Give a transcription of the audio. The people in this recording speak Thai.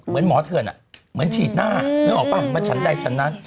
เหมือนหมอเถื่อนเหมือนฉีดหน้านึกออกป่ะมันฉันใดฉันนั้น